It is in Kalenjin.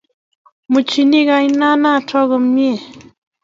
Muchini kaina notok komie